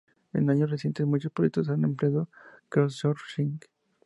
En años recientes, muchos proyectos han empleado crowdsourcing.